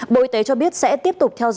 bộ y tế cho biết sẽ tiếp tục theo dõi